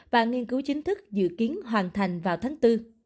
và nghiên cứu chính thức dự kiến hoàn thành vào tháng bốn